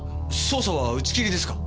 捜査は打ち切りですか？